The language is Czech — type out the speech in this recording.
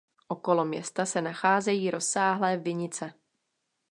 Okolo města se nacházejí rozsáhlé vinice.